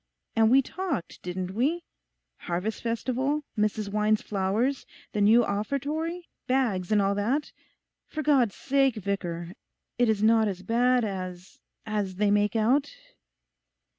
And we talked, didn't we?—Harvest Festival, Mrs Wine's flowers, the new offertory bags, and all that. For God's sake, Vicar, it is not as bad as—as they make out?